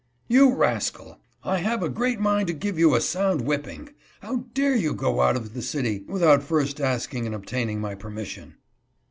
" You rascal ! I have a great mind to give you a sound whipping. How dare you go out of the city without first asking and obtaining my per mission?"